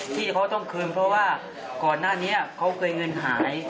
ที่เขาต้องคืนเพราะว่าก่อนหน้านี้เขาเคยเงินหาย